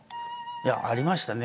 いやありましたね。